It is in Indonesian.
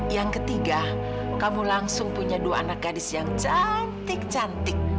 yang ketiga kamu langsung punya dua anak gadis yang cantik cantik